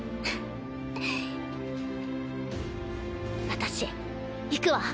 私行くわ。